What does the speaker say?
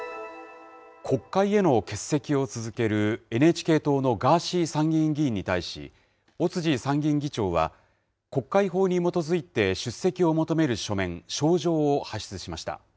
国会への欠席を続けるＮＨＫ党のガーシー参議院議員に対し、尾辻参議院議長は、国会法に基づいて出席を求める書面、招状を発出しました。